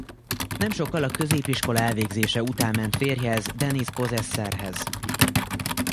Nem sokkal a középiskola elvégzése után ment férjhez Dennis Pozessere-hez.